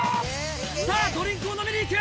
さぁドリンクを飲みに行く！